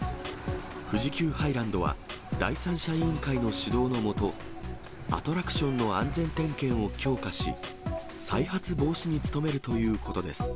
富士急ハイランドは、第三者委員会の指導の下、アトラクションの安全点検を強化し、再発防止に努めるということです。